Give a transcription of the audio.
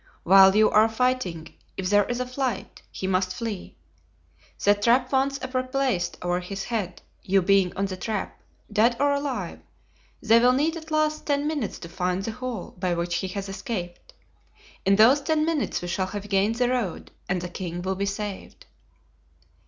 While you are fighting if there is a fight, he must flee. The trap once replaced over his head, you being on the trap, dead or alive, they will need at least ten minutes to find the hole by which he has escaped. In those ten minutes we shall have gained the road and the king will be saved."